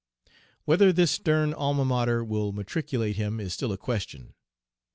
Whether this stern Alma Mater will matriculate him is still a question.